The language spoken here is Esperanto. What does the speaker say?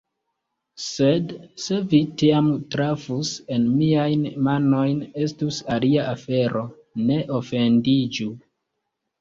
Sed se vi tiam trafus en miajn manojn, estus alia afero, ne ofendiĝu!